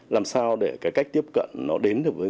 làm sao để cái cách tiếp cận nó đến được với